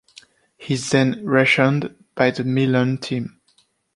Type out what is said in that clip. He’s then rationed by the Milan team.